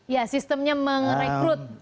ya sistemnya merekrut